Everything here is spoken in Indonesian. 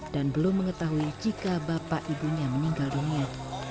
dan belum mengetahui jika bapak ibunya meninggal dunia